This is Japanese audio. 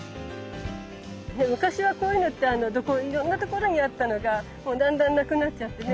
昔はこういうのっていろんなところにあったのがもうだんだんなくなっちゃってね